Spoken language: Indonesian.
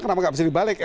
kenapa tidak bisa dibalik